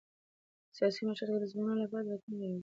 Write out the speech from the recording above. سیاسي مشارکت د ځوانانو لپاره د راتلونکي دروازه ده